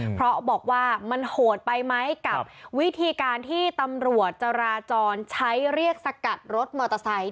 เพราะบอกว่ามันโหดไปไหมกับวิธีการที่ตำรวจจราจรใช้เรียกสกัดรถมอเตอร์ไซค